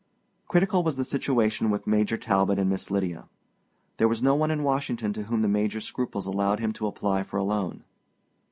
Critical was the situation with Major Talbot and Miss Lydia. There was no one in Washington to whom the Major's scruples allowed him to apply for a loan.